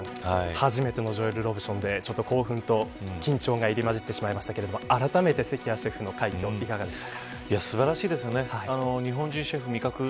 初めてのジョエル・ロブションで興奮と緊張が入り混じってしまいましたけれどもあらためて関谷シェフの快挙いかがでした。